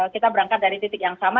kita berangkat dari titik yang sama